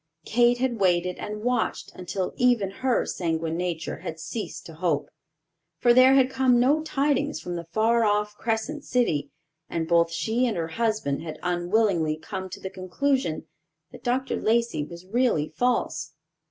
Kate had waited and watched until even her sanguine nature had ceased to hope; for there had come no tidings from the far off Crescent City, and both she and her husband had unwillingly come to the conclusion that Dr. Lacey was really false.